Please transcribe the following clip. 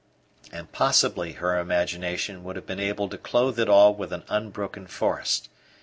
And possibly her imagination would have been able to clothe it all with an unbroken forest.